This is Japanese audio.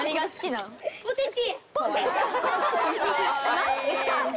マジか！